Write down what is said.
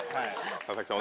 佐々木さん